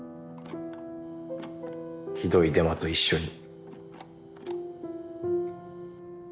ひどいデマと一緒に。